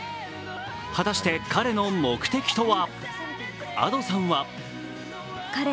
果たして彼の目的とは？